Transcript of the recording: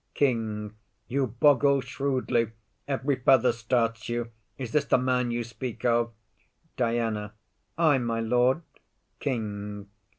KING. You boggle shrewdly; every feather starts you. Is this the man you speak of? DIANA. Ay, my lord. KING.